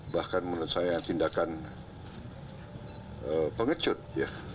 bahkan menurut saya tindakan pengecewa